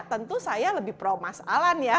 tentu saya lebih pro mas alan ya